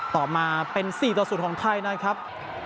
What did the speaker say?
ต่อมาเป็น๔ต่อ๐ของไทยนะครับ